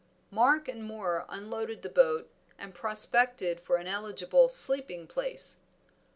Mark and Moor unloaded the boat and prospected for an eligible sleeping place.